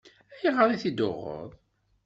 Ayɣer i t-id-tuɣeḍ?